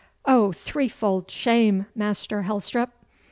'Oh, threefold shame, Master Helstrop!